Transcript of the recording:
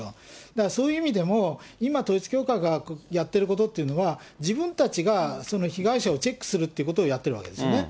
だから、そういう意味でも、今、統一教会がやっていることというのは、自分たちがその被害者をチェックするってことをやっているわけですよね。